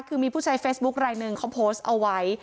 คือมีผู้ใช้เฟซบุ๊คลายหนึ่งเขาโพสต์เอาไว้